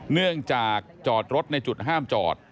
เนื่องจากจอดรถในจุดห้ามจอด